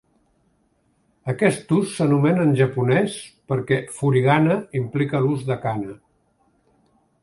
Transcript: Aquest ús s'anomena en japonès, perquè "furigana implica l'ús de kana".